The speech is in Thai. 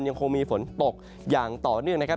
ยังคงมีฝนตกอย่างต่อเนื่องนะครับ